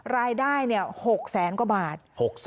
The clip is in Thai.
รายได้๖แสนกว่าบาท